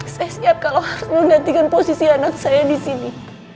saya siap kalau harus menggantikan posisi anak saya disini